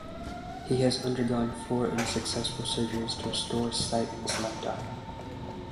He has undergone four unsuccessful surgeries to restore sight in his left eye.